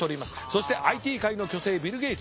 そしてＩＴ界の巨星ビル・ゲイツ。